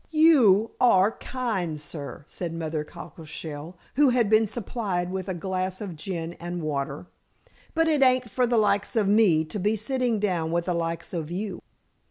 "You are kind, sir," said Mother Cockleshell, who had been supplied with a glass of gin and water. "But it ain't for the likes of me to be sitting down with the likes of you."